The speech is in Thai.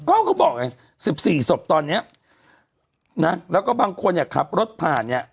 ก็เขาบอกไง๑๔ศพตอนเนี้ยนะแล้วก็บางคนเนี่ยขับรถผ่านเนี่ย